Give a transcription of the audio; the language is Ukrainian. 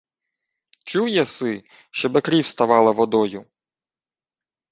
— Чув єси, щоби крів ставала водою?